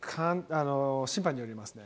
審判によりますね。